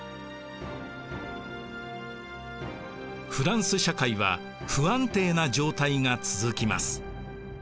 フランス社会は不安定な状態が続きます。